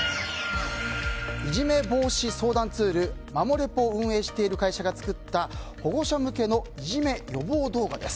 いじめ防止ツールマモレポが作った会社が作った保護者向けのいじめ予防動画です。